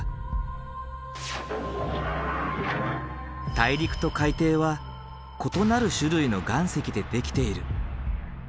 大陸と海底は異なる種類の岩石でできている。